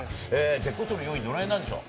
好調の要因はどのへんなんでしょう？